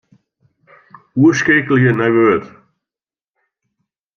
Oerskeakelje nei Word.